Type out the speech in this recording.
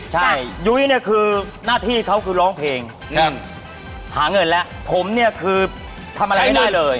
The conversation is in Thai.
ใช่ยุ้ยเนี่ยคือหน้าที่เขาคือร้องเพลงหาเงินแล้วผมเนี่ยคือทำอะไรไม่ได้เลย